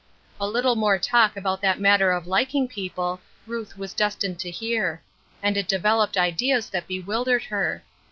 A little more talk about that matter of liking people, Ruth was destined to hear; and it devel oped ideas that bewildered her.